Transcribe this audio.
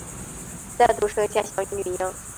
再度生下小女婴